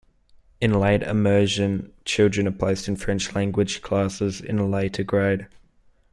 In "late immersion", children are placed in French-language classes in a later grade.